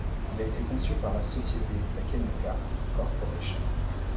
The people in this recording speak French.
Il a été conçu par la société Takenaka Corporation.